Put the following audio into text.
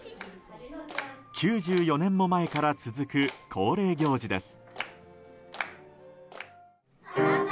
９４年も前から続く恒例行事です。